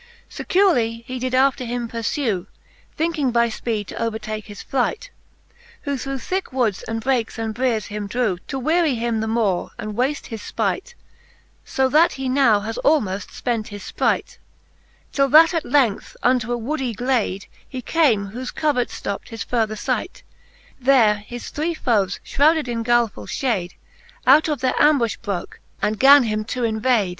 XVII. • Securely he did after him purfew. Thinking by fpeed to overtake his flight ; Who through thicke woods and brakes and briers him drew, To weary him the more, and v/afte his fpight. So that he now has almoft fpent his fpright. Till that at length unto a woody glade He came, whofe covert ftopt his further flght; There his three foes, fhrowded in guileful! fhade, Out of their ambufh broke, and gan him to invade.